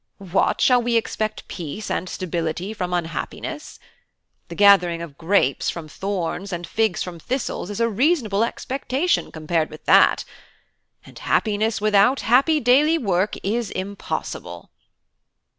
What! shall we expect peace and stability from unhappiness? The gathering of grapes from thorns and figs from thistles is a reasonable expectation compared with that! And happiness without happy daily work is impossible."